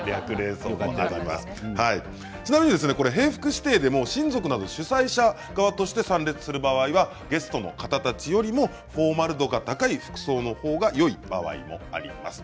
ちなみに平服指定でも親族など主催者側として参列する場合はゲストの方たちよりもフォーマル度が高い服装のほうがよい場合があります。